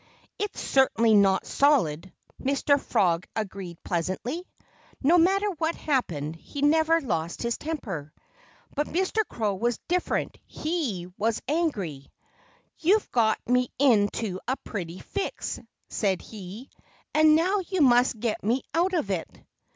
"It's certainly not solid," Mr. Frog agreed pleasantly. No matter what happened, he never lost his temper. But Mr. Crow was different. He was angry. "You've got me into a pretty fix!" said he. "And now you must get me out of it."